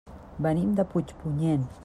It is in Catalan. Venim de Puigpunyent.